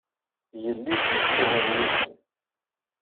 Yelli d tizzyiwin yid-m.